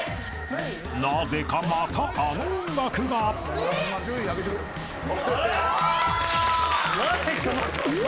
［なぜかまたあの音楽が］お！